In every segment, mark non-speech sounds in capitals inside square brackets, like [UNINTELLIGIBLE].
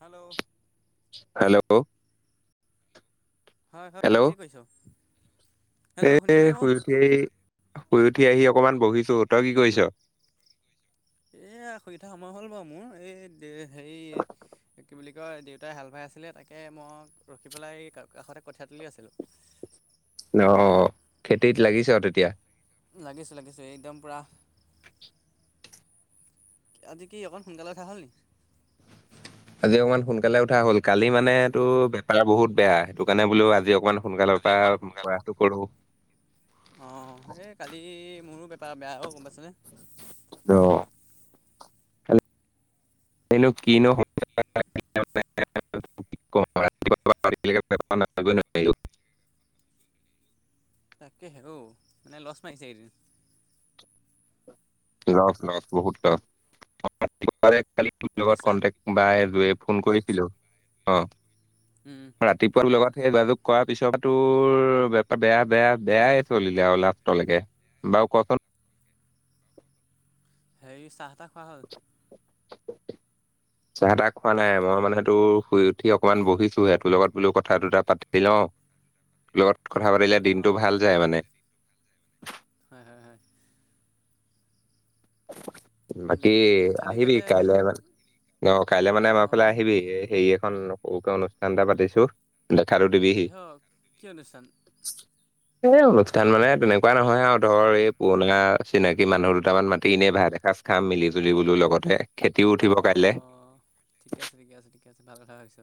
Hello hello হয় হয় কি কইছ এ শুই উঠি শুই উঠি আহি অকমান বহিছো, তই কি কৰিছ? এ শুই উঠা সময় হ'ল বাৰু মোৰ এই হেৰি কি বুলি কয় দেউতাই হাল বাই আছিলে তাকে মোক ৰখি পেলাই এই কাষতে কঠিয়া তুলি আছিলোঁ। অ' খেতিত লাগিছ তেতিয়া লাগিছে লাগিছে একদম পুৰা [INAUDIBLE] আজি কি অকণ সোনকালে ওঠা হ'ল নি আজি অকণমান সোনকালে উঠা হ'ল, কালি মানে তো বেপাৰ বহুত বেয়া সেইটো কাৰণে বোলো আজি অকমান সোনকালৰ আজি পৰা প্ৰয়াসটো কৰোঁ অ' এই কালি মোৰো বেপাৰ বেয়া অ গ'ম পাইচানে ত এনো কিনো কি কম আৰু, ৰাতিপুৱাৰ পৰা [UNINTELLIGIBLE] তাকেহে অ মানে লছ মাৰিছে এইকেইদিন লছ লছ বহুত লছ বুধবাৰে খালি তোৰ বাকী লগত চাহ কণ্টেক্ট বাইযোৱে ফোন কৰিছিলো অ' উম ৰাতিপুৱা লগত সেই যোগাযোগ কৰাৰ পিছপা তোৰ বেয়া বেয়া বেয়াই চলিলে আৰু লাষ্টলেকে বাও কোৱাছোন হেই চাহ তাহ খোৱা হ'ল? [INAUDIBLE] চাহ তাহ খোৱা নাই মই মানে হেটো শুই উঠি অকমান বহিছোহে তোৰ লগত বোলো কথা দুটা পাতি লওঁ। তোৰ লগত কথা পাতিলে দিনতটো অঁ ভাল যায় মানে। হয় হয়। বাকী খালী আহিবি তাকে কাইলে হেৰি মান কাইলে মানে আমাৰ ফালে অঁ আহিবি। এই সেই এখন সৰুকে অনুষ্ঠান এটা পাতিছো দেখাটো দিবিহি। [INAUDIBLE] কিহৰ কি অনুষ্ঠান এ অনুষ্ঠান মানে তেনেকুৱা নহয় আও ধৰ এই পুৰণা চিনাকি মানুহ দুটামান মা তি এনেই ভাত এসাঁজ খাম মিলিজুলি বোলো লগতে। খেতিও উঠিব কাইলে অঁ ঠিকে আছে ঠিকে আছে ঠিকে আছে ভাল কথা ভাবিছ।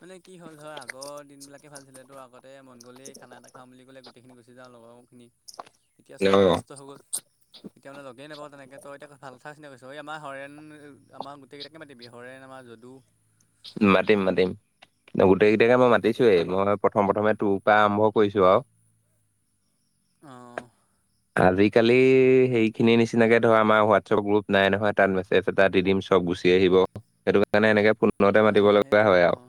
মানে কি হ'ল ধৰ আগৰ দিনবিলাকে ভাল আছিল তো আগত তে মন গ'লেই খানা এটা খাাম বুলি ক'লে গোটেইখিনি গুচি যাওঁ লগৰখিনি, এতিয়া চব অ ব্যস্ত হৈ গ'ল। এতিয়া মানে লগেইে নাপাওঁ তেনেকে তই এতিয়া ভাল কথা চিন্তা কৰিছ, এ আমাৰ হৰেণ আমাৰ গোটেইকেইটাকে মাতিবি, হৰেন আমাৰ যদু মাতিম মাতিম। গোটেই গেইটাকে মই মাতিছোয়েই, মই প্ৰথম প্ৰথমে তোৰ পৰা আৰম্ভ কৰিছো আও। [INAUDIBLE] অঁ আজিকালি সেইখিনি নিচিনাকে ধৰ আমাৰ হোৱাটছআপ গ্ৰুপ নাই নহয়, তাত মেছেজ এটা দি দিম চব গুচি আহিব, সেইটো কাৰণে এনেকে ফোণতে নাই মাতিব লগা সেইটোৱে হয় আও। অঁ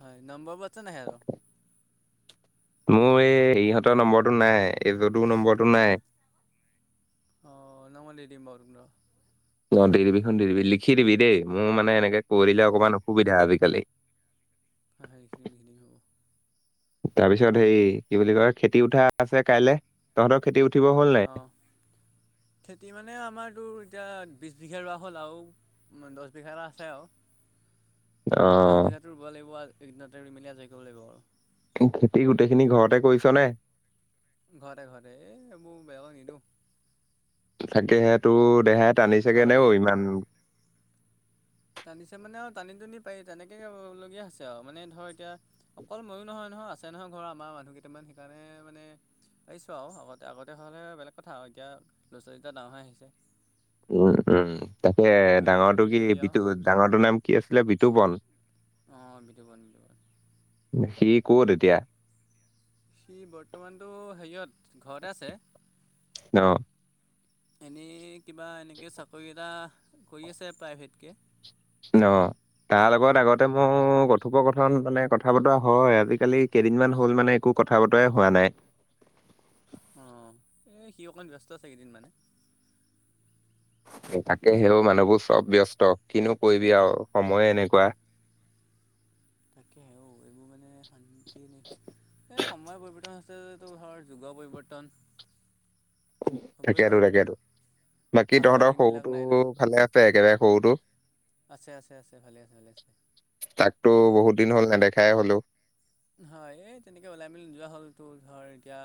হয় নম্বৰবোৰ আছে নাই হেতৰ মোৰ এই ইহঁতৰ নম্বৰটো নাই এই যদু নম্বৰটো নাই। অঁ ন মই দি দিম বাৰো ৰ অঁ দি দিবিছোন দি দিবি, লিখি দিবি দেই মোৰ মানে এনেকে কৈ অঁ দিলে লিখি দিম অকণমান অসুবিধা আজিকালি। [UNINTELLIGIBLE] তাৰ পিছত হেই কি বুলি কয় খেতি উঠা আছে কাইলে, তহঁতৰ খেতি উঠিব হ'ল নাই। অঁ খেতি মানে আমাৰতো এতিয়া বিছ বিঘাৰ ৰোৱা হ'ল আৰু দহ বিঘাটা আছে আও। [INAUDIBLE] দশ বিঘাতো ৰুব লাগিব আৰু একদিনতে ৰুই মেলি আজৰি কৰিব লাগিব আৰু। খেতি গোটেই খিনি ঘৰতে কৰিছ নে? ঘৰতে ঘৰতে এই এইবোৰ বেলেগক নিদিওঁ। তাকেহে তোৰ দেহাই টানিছে গে ঘৰতে নে অই ইমান। টানিছে মানে আৰু টানি টুনি পাৰি তেনেকে কৰিবলগীয়া হৈছে আও মানে ধৰ এতিয়া অকল ময়ো নহয় নহয় আছে নহয় ঘৰৰ আমাৰ মানুহ কেইটামান, সেইকাৰণে মানে পাৰিছোঁ আও আগতে আগতে হ'লে বেলেগ কথা আও এতিয়া ল'ৰা ছোৱালীকেইটাও ডাঙৰ হৈ আহিছে। উম উম তাকেহে সিহঁতৰ লগত ডাঙৰটো কি মিলিজুলি আৰু বিটু ডাঙৰটোৰ নাম কি আছিলে বিতোপন। অঁ বিতোপন বিতোপন। সি ক'ত এতিয়া? সি বৰ্তমানতটো হেৰিয়ত ঘৰতে আছে। ন এনেই কিবা এনেকৈ চাকৰি এটা কৰি আছে প্ৰাইভেটকে। অঁ তাৰ লগত আগতে মোৰ কথোপকথন মানে কথা বতৰা হয়, আজিকালি কেইদিনমান হ'ল মানে একো কথা বতৰাই হোৱা নাই। অঁ, এই সি অকণ ব্যস্ত আছে এইকেইদিনমানে। তাকেহে ঔ মানুহবোৰ চব ব্যস্ত কিনো কৰিবি আৰু সময়ে এনেকুৱা। তাকেও এইবোৰ মানে শান্তি নে এই সময় পৰিৱৰ্তন হৈছে। টো ধৰ যুগৰ পৰিৱৰ্তন, হ'বই তাকেইতো আৰু তাকেতো, বাকী আগৰ তহঁতৰ দিনবিলাক সৰুটো নাই নহয় ভালে আছে একেবাৰে সৰুটো? আছে আছে আছে ভালে আছে ভালে আছে। তাকতো বহুত দিন হ'ল নেদেখাই হলো। হয় এই তেনেকে ওলাই মেলি নোযোৱা হ'লতো ধৰ এতিয়া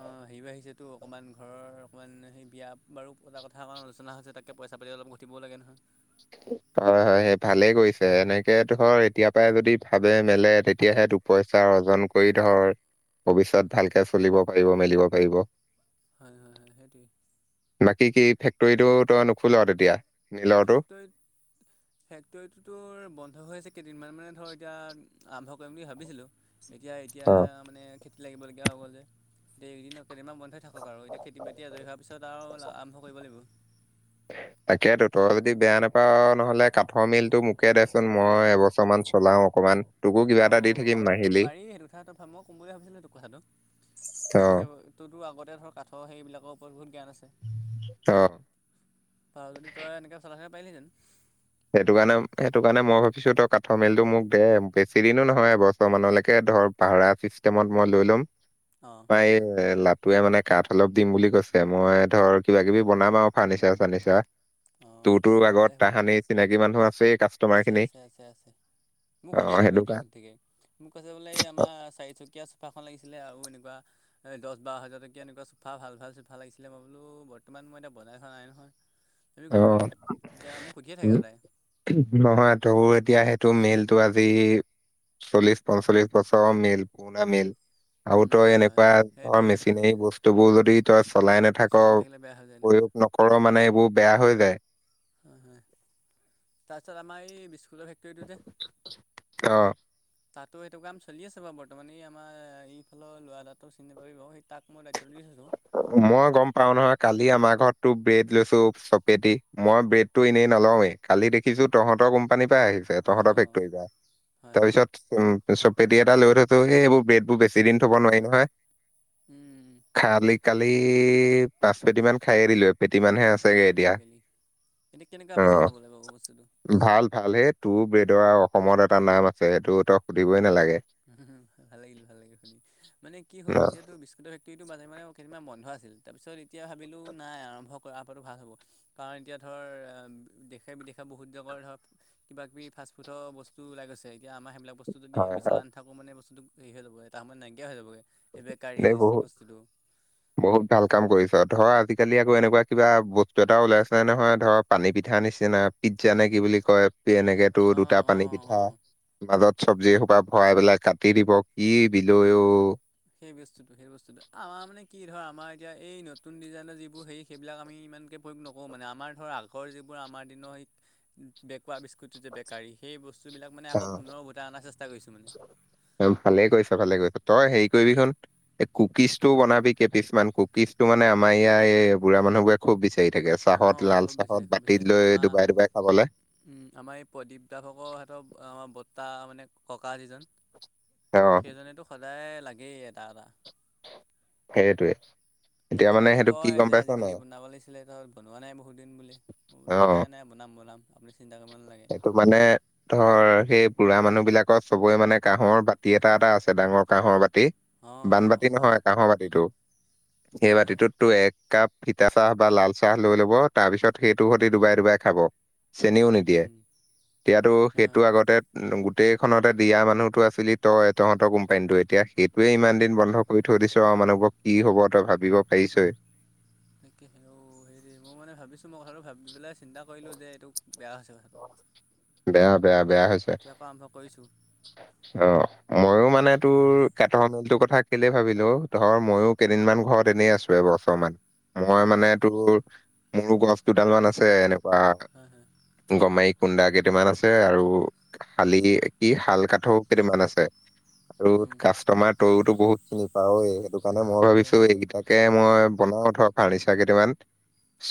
অ হেৰি বাঢ়িছেটো অকণমান ঘৰৰ অকণমান সেই বিয়া বাৰু পতা কথা অকণমান আলোচনা হৈছে তাক এই পইচাপাতি অলপ ঘটিব লাগে নহয়। হয় হয় সেই ভালেই কৰিছে, এনেকে ধৰ এতিয়াৰ পৰাই যদি ভাবে মেলে তেতিয়াহে তোক পইচা অৰ্জন কৰি ধৰ ভৱিষ্যত ভালকে চলিব পাৰিব মেলিব পাৰিব। হয় হয় হয় সেইটোৱে। বাকী কি ফেক্টৰীটো তই নোখোল তেতিয়া? মিলৰটো ফেক্টৰীত ফেক্টৰীটো তো বন্ধ হৈ আছে কেইদিনমান মানে ধৰ এতিয়া আৰম্ভ কৰিম বুলি ভাবিছিলোঁ। এতিয়া এতিয়া অ মানে খেতিত লাগিবলগীয়া হৈ গ'ল যে এইকেইদিনত কেইদিনমান বন্ধ্ই থাকক আৰু এতিয়া খেতি - বাতি আজৰি হোৱাৰ পিছত আৰু আৰম্ভ কৰিব লাগিব। তাকেইতো তই যদি বেয়া নাপাও নহলে কাঠৰ মেইলটো মোকে দেচোন মই এবছৰমান। চলাওঁ অকণমান। অঁ পাৰি সেইটো কথাত ভাব মই ক'ম বুলি ভাবিছিলোঁ তোৰ কথাটো অ তোৰতো সেইবোৰ তোৰতো আগতে ধৰ কাঠৰ হেৰি বিলাকৰ ওপৰত বহুত জ্ঞান আছে। অঁ পাৰ যদি তই এনেকৈ চলাই থাকিব পাৰিলি হেঁতেন। সেইটো কাৰণে সেইটো কাৰণে মই ভাবিছো তই কাঠৰ মেইলটো মোক দে বেছি দিনো নহয় এবছৰ মানলৈকে ধৰ ভাড়া ছিষ্টেমত মই লৈ ল'ম। অঁ পাই এই লাটুৱে মানে কাঠ অলপ দিম বুলি কৈছে, মই ধৰ কিবা কিবি বনাম আৰু ফাৰ্নিচাৰ চাৰ্নিচাৰ। তোৰ অঁ তো আগত তাহানি চিনাকি মানুহ আছেই কাঠৰ আ্ছে আছে আছে আছে। মোক অ সুধিয়ে থাকে সেইটো কা এতিয়াও সুধি থাকে, মোক কৈছে বোলে এই আমাৰ চাৰিচকীয়া খন লাগিছিলে আৰু এনেকুৱা এই দহ বাৰ হাজাৰ টকীয়া এনেকুৱা চোফা ভাল ভাল চোফা লাগিছিলে মই বোলো বৰ্তমান মই এতিয়া বনাই খোৱা নাই নহয় আমি ক'লোঁ আহ এতিয়া মোক সুধিয়ে থাকে উম, সদায় নহয় তোৰ এতিয়া সেইটো মেইলটো আজি চল্লিশ পঞ্চল্লিছ বছৰ মিল পুৰণা মেইল, আৰু তই হয় হয় এনেকুৱা ধৰ সেইটোৱেই মেচিনেৰি বস্তু বোৰ যদি তই চলাই ন থাক চলাই নাথাকিলে বেয়া হৈ যায় নহয় প্ৰয়োগ নকৰ মানে এইবোৰ বেয়া হৈ যায়। হয় হয়, তাৰপিছত আমাৰ এই বিস্কুটৰ ফেক্টৰীটো যে,? অ তাতো সেইটো কাম চলি আছে বাৰু বৰ্তমানে আমাৰ এইফালৰ ল'ৰা এটাটো চিনি পাবি বাৰু সেই তাক মই দায়িত্বটো দি থৈছোঁ। মই গম পাও নহয় কালি আমাৰ ঘৰতো ব্ৰেড লৈছো চপেট মই ব্ৰেড টো এনেই নলওঁৱেই। কালি দেখিছো তহঁতৰ কোম্পানীৰ পৰা আহিছে তহঁতৰ অঁ ফেক্টৰীৰ পৰা হয় হয় তাৰপিছত উমি চব পেটি এটা লৈ থৈছোঁ এইবোৰ ব্ৰেড বোৰ বেছি দিন থব নোৱাৰি নহয়। উম। খালি কালি পাঁচ পেটি মান খাই এ দিলো। এপেটি মানহে ভাল আছেগে কৰিলি এতিয়া ভাল কৰিলি এনে কেনেকুৱা অ পাইছ খাবলৈ পাব বস্তুটো? ভাল ভাল হেই তোৰ বেদৰ অসমত এটা নাম আছে সেইটো তই সুধিবই নালাগে। উম, ভাল লাগিল ভাল লাগিল শুনি। মানে কি ন হ'ল যহেতটো বিসকটৰ ফেকটৰীটো বে মাহে মাহে বন্ধ আছিল। তাৰপিছত এতিয়া ভাবিলোঁ নাই আৰম্ভ কৰ পৰাতটো ভাল হ'ব। কাৰণ এতিয়া ধৰ দেশে বিদেশে বহুত জগৰ ধৰক কিব - কিবি ফাষ্টফুডৰস্তু ওলাই গছে এতিয়া আমাৰ সেইবিলাক। বস্তু যদি হয় আমি হয় চলাই নাথাকো মানে বস্তুটো হেৰি হৈ যাব এটা সময়ত নাইকিয় হৈ বেকাৰী দেই বহুত বস্তুটো। বহুত ভাল কাম কৰিছ ধৰ আজিকালি আকৌ এনেকুৱা কিবা বস্তু এটা ওলাই আছে নে নহয় ধৰক পানী পিঠা নিচিনা পিজ্জা নে কি বুলি কয়, এনেকে তোৰ অঁ দুটা পানী অঁ পিঠা অঁ মাজত চব্জি সোপা ভৰাই পেলাই কাটি দিব কি বিলৈ অ সেই বস্তুটো সেই বস্তুটো আমাৰ মানে কি ধৰ আমাৰ এতিয়া এই নতুন ডিজাইনৰ যিবোৰ হে সেইবিলাক আমি ইমানকৈ প্ৰয়োগ নকৰোঁ মানে আমাৰ ধৰক আগৰ যিবোৰ আমাৰ দিনৰ সেই বেকুৱৰা বিস্কুটো যে বেকাৰী সেই বস্তুবিলাক মানে আকৌ আহ, পুনৰ উোটাই অনাৰ চেষ্টা। কৰিছোঁ মানে ভালে কৰিছ ভালে কৰিছ, তই হেৰি কৰিবি চোন - - এ' কুকিজ ও বনাবি কেই পিছমান কুকিজ মানে আমাৰ ইয়াৰ এই বুঢ়া মানুহ বোৰে খুব বিচাৰি থাকে আছে। চাহত অঁ লাল খুব চাহত বিচাৰে খুব বাতি বিচাৰে লৈ আমাৰ ডুবাই- ডুবাই খাবলৈ। আমাৰ এই প্ৰদীপ দাভকৰ হাতত আমাৰ বৰ্তাহ মানে ককা যিজন। অ সেইজনীতো সদায় লাগেই এটা এটা। সেইটোৱে। এতিয়া তেখেতে মানে মোক সেইটো কি কয় গম যে পাইছ আজিকালি নাই বনাব লাগিছিলে তই বনোৱা নাই বহুত দিন বুলি মই বোলো অ নাই নাই বনাম বনাম আপুনি চিন্তা কৰিব নালাগে। ত' মানে ধৰ সেই বুঢ়া মানুহ বিলাকত চবৰে মানে কাঁহৰ বাতি এটা এটা আছে ডাঙৰ কাঁহৰ বাতি। অঁ অঁ বানবতি হয় নহয় কাঁহৰ বাতিটো সেই হয় হয় বাতিটোতো এক কাপ তিতা চাহ বা লাল চাহ লৈ লব, তাৰ পিছত সেইটো সতি ডুবাই ডুবাই খাব। চেনিও নিদিয়ে উম তেতিয়াতো হয় সেইটো হয় আগতে গোটেইখনতে দিয়া মানুহতো আছিলি তই তহঁতৰ কোম্পানীতটো এতিয়া সেইটোয়ে ইমান দিন বন্ধ। কৰি থৈ দিছ, আৰু মানুহবোৰক কি হব তই ভাবিব পাৰিছই। তাকে সেই হেৰি মই মানে ভাবিছোঁ মই কথাটো ভাবি পেলাই চিন্তা কৰিলোঁ যে এইটো বেয়া হৈছে। বেয়া বেয়া বেয়া হৈছে। এতিয়াৰ পৰা আৰম্ভ কৰিছোঁ। অ' মইো মানে তোৰ কটৰ মিলটোৰ কথা কেলে ভাবিলো ধৰ ময়ো কেইদিনমান ঘৰত এনেই আছো এ বছৰ মন। মই অঁ মানে তোৰ মোৰো গছ দুডালমানমান আছে এনেকুৱা হয় হয় গমাৰি কুন্দা কেইটামান আছে আৰু শালি কি শাল কাঠৰ কেইটামান আছে। আৰু উম কাষ্টমাৰ তয়তো বহুত খিনি পাঅ সেইটো কাৰণে মই আচ্ছা আচ্ছা ভাবিছো এইকেইটাক ে মই বনাও থোৱা ফাৰ্নিিচাৰ কেইটামান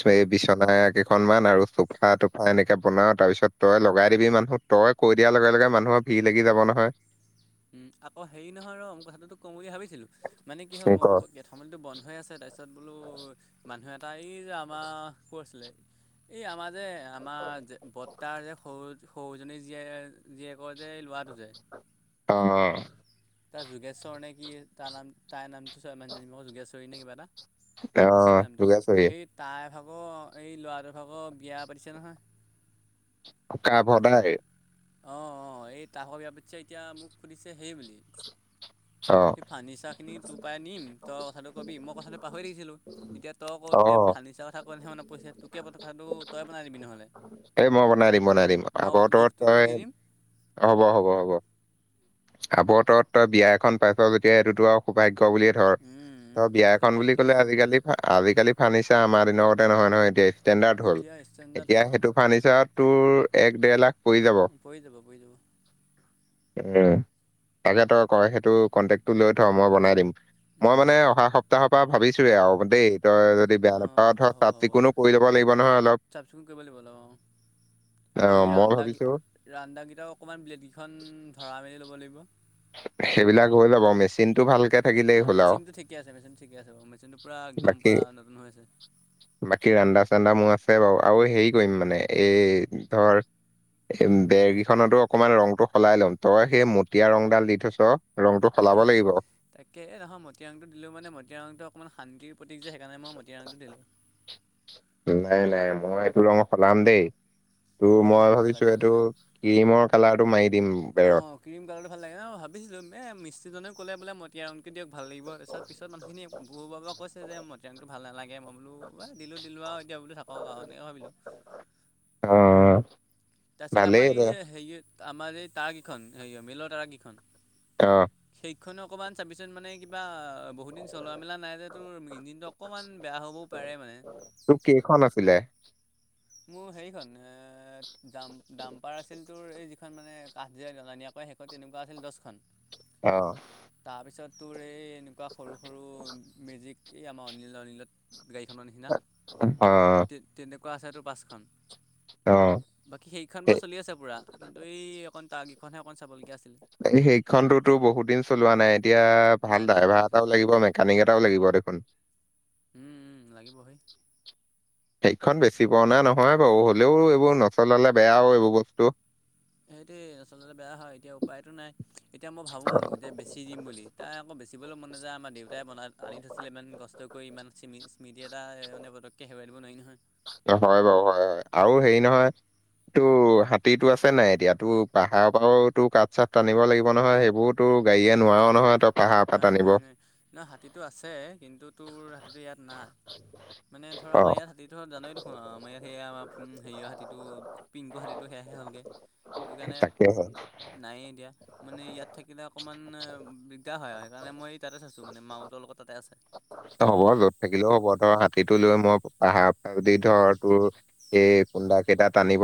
অঁ [INAUDIBLE] কেইখনমানান আৰু চোফা তটোফা এনেকে বনাও তাৰপিছত তই লগাই দিবি মানুহ। তই কৈ দিয়াৰ লগে লগে মানুহৰ ভিৰ লাগি যাব নহয়। উম, আকৌ হেৰি নহয় ৰ, কথাটো তোক কম বুলি ভাবিছিলোঁ, মানে কি হল ক মইতো কাঠৰ মেইলটো বন্ধ হৈ আছে, তাৰপিছত বোলো, মানুহ এটা এই যে আমাৰ ক আছিলে এই, আমাৰ যে, আমাৰ যে, বৰ্তাৰ যে সৰুজনী জীয়ে জীয়েকৰ যে এই লৰা ল'ৰাটো যে - - অ',। তাৰ যোগেশ্বৰ নে কি তাৰ নাম? তাইৰ নামটো [UNINTELLIGIBLE] যোগেশ্বৰী নে কিবা এটা? অ', আছিল নামটো যোগেশ্বৰী সেই, তাই ভাগৰ, এই লৰাটোৰ ভাগৰ বিয়া পাতিছে নহয়। কা ভদা হে [INAUDIBLE] অঁ ', অঁ', এই তাহৰ বিয়া পাতিছে এতিয়া মোক সুধিছে হেৰি বুলি অ', সেই ফাৰ্ণিচাৰখিনি তোৰ পৰাই নিম, তই কথাটো কবি। মই কথাটো পাহৰি থাকি ছিলোঁ। এতিয়া তই কদিনে অ', ফাৰ্নিচাৰৰ কথাটো কনেহে, মনত পৰিছে তোক কথাটো? তই বনাই দিবি নহলে। এই মই বনাই দিম, বনাই দিম মই আগতত জোখটো তোক তই দি দিম হ'ব, হ'ব হ'ব আৱতৰত তই বিয়া খন পাইছ যেতিয়া এইটোতো আৰু সৌভাগ্য বুলিয়ে ধৰ উম উম বিয়া এ সেই খন বুলি তাকে ক'লে হেও আজিকালি আজিকালি ফাৰ্নিচাৰ আমাৰ দিনৰ কতে নহয় নহয় এতিয়া হল এতিয়া ষ্টেণ্ডাৰ্ড এতিয়া হ'ল সেইটো ফাৰ্ণিচাৰত তোৰ এক ডেৰ লাখ পৰি যাব। ন পৰি যাব পৰি যাব উম, তাকে তই কয় সেইটো কন্টেক টো লৈ থ মই বনাই দিম। মই উম মানে, অহা সপ্তাহৰ পৰা ভাবিছোয়ে আৰু দেই। তই যদি বেয়া অঁ নাপাও ধ হ'ব হ'ব চাফ হ'ব চিকুণো কৰি লব লাগিব নহয় অলপ। চাফ চিকুণ কৰিব লাগিব অলপ অঁ অ', মই ভাবিছো ৰান্ডাকেইটা অকণমান ব্লেডেইখন ধৰা মেলি ল'ব লাগিব। সেইবিলাক হৈ যাব, মেচিন টো ভালকে থাকিলেই অঁ', হ'ল আৰু মেচিনটো ঠিকে আছে মেচিনটো ঠিকে আছে, বাৰু মেচিনটো পূৰা একদম বাকী পুৰা নতুন হৈ আছে। বাকী ৰান্দা চান্দা মোৰ আছে বাৰু আৰু হেৰি কৰিম মানে, এই ধৰ এ, বেৰ কেইখনতো অকণমান ৰংটো সলাই লম তই সেই মটীয়া ৰংডাল দি থৈছ ৰং টো সলাব লাগিব। তাকে এই নহয়, মটীয়া ৰংটো দিলোঁ, মানে, মটীয়া ৰংটো অকণ শান্তিৰ প্ৰতীক যে, সেইকাৰণে মই মটীয়া ৰংটো দিলোঁ। নাই, নাই মই এইটো ৰং সলাম দেই, তোৰ হ'ব মই সলাই দিবি সলাই ভাবিছো দিবি একো এইটো ক্ৰীমৰ কালাৰটো মাৰি দিম। বেৰত অ', ক্ৰীম কালাৰ ভাল লাগে ন, ভাবিছিলো এ মিস্ত্ৰীজনে ক'লে বোলে মই তেতিয়া ৰংটো দিয় ভাল লাগিব তাৰ পিছত মানুহখিনি বৰু বাবা কৈছে যে মতিয়া ৰংটো ভাল নালাগে মই বোলো দিলো দিলো আৰু এতিয়া বোলো থাকক এনেকে ভাবিলোঁ অ', অ', তাৰপিছত আমাৰ এই যে হেৰি আমাৰ এই তাৰাকেইখন হেৰি মিলৰ তাৰাকেইখন। অ',। সেইখনো অকমান চাবিচোন মানে কিবা বহুত দিন চলোৱা মেলা নাই, যেতো ইঞ্জিনটো অকণমান বেয়া হ'বও পাৰে মানে। তোক কেইখন আছিলে? মোৰ হেৰিখন এ ডাম্পাৰ আছিল তোৰ এই খন মানে কাঠ যে শেষত তেনেকুৱা আছিল দছখন। অ',। তাৰপিছত তোৰ এই এনেকুৱা সৰু সৰু মেজিক, এই আমাৰ অনিল, অনিলত গাড়ীখনৰ নিচিনা অ তে তেনেকুৱা আছেতো পাছখন। অ',। বাকী সেইখন বাৰু সেই- চলি আছে পুৰা, কিন্তু এই অকণ, তাৰ কেইখনহে অকণ চাবলগীয়া আছে। এই, সেইখনতো তোৰ বহুত দিন চলোৱা নাই, এতিয়া নাই ভাল নাই বহুত ড্ৰাইভাৰ দিন চলা এটাও লাগিব নাই? কানিক এটাও লাগিব দেখোন? উম, উম লাগিবহি। সেইখন বেছি পুৰণা নাই নহয় বাৰু, হলেও এইবোৰ নচলালে বেয়াও, এইবোৰ বস্তু। সেইটোৱেই আচলতে বেয়া হয় এতিয়া উপায়তো নাই এতিয়া মই ভাবোঁ যে বে চিৰিম বুলি তাই আকৌ বেচিবলৈ মন নাযায় আমাৰ দেউতাই বনাই আনি থৈছিলে ইমান দিন কষ্ট কৰি ইমান চিমিচ মিদি এটা এহ পতকে হেৰুৱাই দিব নোৱাৰি নহয়। হয় বাৰু হয় আৰু হেৰি নহয়। তু হাতীটো আছে নাই এতিয়া, তোৰ পাহাৰৰ পৰাওতো কাঠ চাঠ টানিব লাগিব নহয় সেইবোৰত তো গাড়ীয়ে নোৱাৰ নহয় তক নাই নাই হাতীটো আছে কিন্তু তোৰ হাতীটো ইয়াত নাই। মানে ধৰ অ আমাৰ ইয়াৰ হাতীটো জানাই দেখোন আমাৰ ইয়াত সেয়া হেৰি হাতীটো পিংকু হাতী সেয়াহে হ'লগে তাকে ত, নায়ে এতিয়া, মানে ইয়াত থাকিলে অকণমান এ সেইকাৰণে মই তাতে থৈছোঁ মানে মাওতৰ লগত তাতে আছে। তো হ'ব য'ত থাকিলেও হ'ব ধৰ হাতীটো লৈ মই পাহাৰ যদি ধৰ তোৰ এই কুন্দা কেইটা টানিব